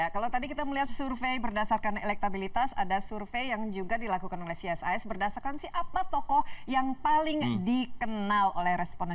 kalau tadi kita melihat survei berdasarkan elektabilitas ada survei yang juga dilakukan oleh csis berdasarkan siapa tokoh yang paling dikenal oleh responden